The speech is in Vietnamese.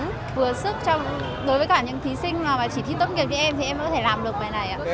đối với những thí sinh chỉ thi tốt nghiệp như em thì em có thể làm được bài này